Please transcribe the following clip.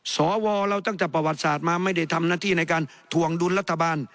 สวเราตั้งแต่ประวัติศาสตร์มาไม่ได้ทำหน้าที่ในการถวงดุลรัฐบาล